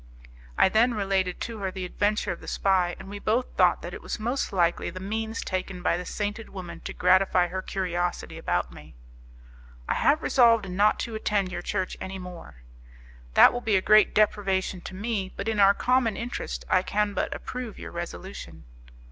I then related to her the adventure of the spy, and we both thought that it was most likely the means taken by the sainted woman to gratify her curiosity about me. "I have resolved not to attend your church any more." "That will be a great deprivation to me, but in our common interest I can but approve your resolution."